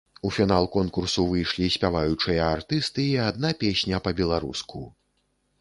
У фінал конкурсу выйшлі спяваючыя артысты і адна песня па-беларуску.